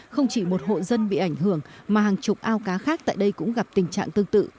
không chỉ một hộ dân bị ảnh hưởng mà hàng chục ao cá khác tại đây cũng gặp tình trạng tương tự